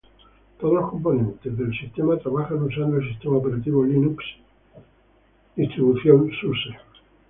Todos los componentes del sistema trabajan usando el sistema operativo Linux, versión SuSe.